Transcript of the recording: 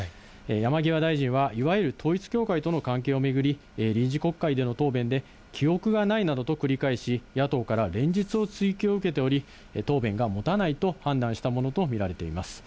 山際大臣はいわゆる統一教会との関係を巡り、臨時国会での答弁で、記憶がないなどと繰り返し、野党から連日の追及を受けており、答弁がもたないと判断したものと見られます。